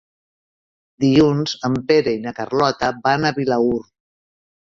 Dilluns en Pere i na Carlota van a Vilaür.